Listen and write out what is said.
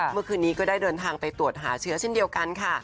เมื่อคืนนี้ก็ได้เดินทางไปตรวจหาเชื้อเช่นเดียวกันค่ะ